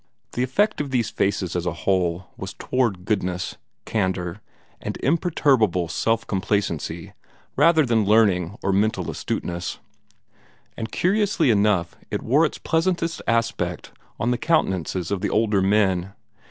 The effect of these faces as a whole was toward goodness, candor, and imperturbable self complacency rather than learning or mental astuteness; and curiously enough it wore its pleasantest aspect on the countenances of the older men.